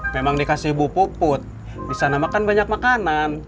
memang dikasih bupuput bisa namakan banyak makanan